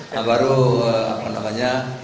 nah baru apa namanya